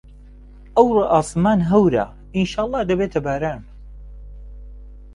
ئەوڕۆ ئاسمان هەورە، ئینشاڵڵا دەبێتە باران.